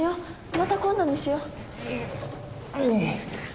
また今度にしよう。